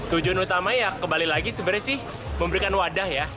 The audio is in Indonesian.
tujuan utama ya kembali lagi sebenarnya sih memberikan wadah ya